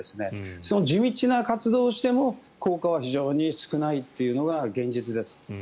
その地道な活動をしても効果は非常に少ないというのが現状です。